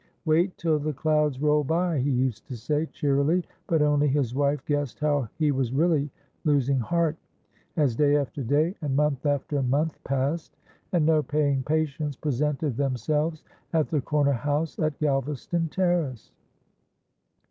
"Wait till the clouds roll by," he used to say, cheerily, but only his wife guessed how he was really losing heart, as day after day and month after month passed and no paying patients presented themselves at the corner house at Galvaston Terrace.